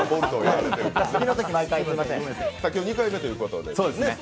今日はスタジオ２回目ということで。